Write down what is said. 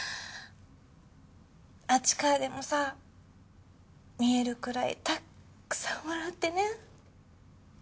あっちからでもさぁ見えるくらいたっくさん笑ってね！